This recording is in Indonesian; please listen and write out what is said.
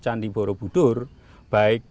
candi borobudur baik